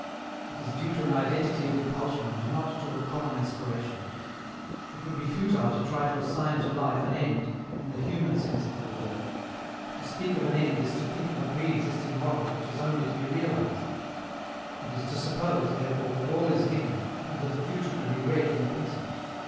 It is due to an identity of impulsion and not to a common aspiration. It would be futile to try to assign to life an end, in the human sense of the word. To speak of an end is to think of a pre existing model which has only to be realized. It is to suppose, therefore, that all is given, and that the future can be read in the present.